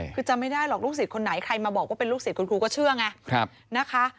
คือจำไม่ได้หรอกลูกศิษย์คนไหนใครมาบอกว่าเป็นลูกศิษย์คุณครูก็เชื่อไงนะคะ